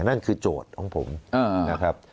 นั่นคือโจทย์ของผมนะครับ